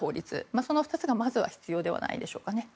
その２つがまずは必要ではないでしょうか。